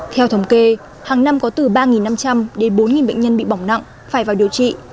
theo thống kê hàng năm có từ ba năm trăm linh đến bốn bệnh nhân bị bỏng nặng phải vào điều trị